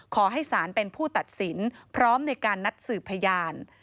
ขอให้ศาลเป็นผู้ตัดสินพร้อมในการนัดสืบพยาน